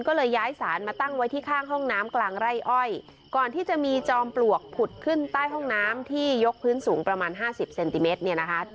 ก็เลยย้ายสารมาตั้งไว้ที่ข้างห้องน้ำกลางไร่อ้อยก่อนที่จะมีจอมปลวกผุดขึ้นใต้ห้องน้ำที่ยกพื้นสูงประมาณห้าสิบเซนติเมตรเนี่ยนะคะ